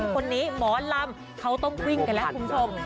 คนนี้หมอลำเขาต้องวิ่งกันแล้วคุณผู้ชม